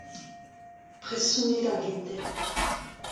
Prest on evit ar gentel.